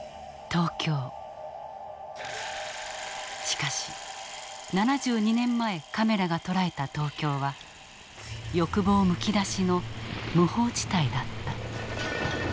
しかし７２年前カメラが捉えた東京は欲望むき出しの無法地帯だった。